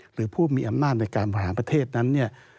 หรือผู้มีอำนาจในการบริหารประเทศนั้นเนี่ย